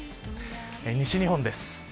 西日本です。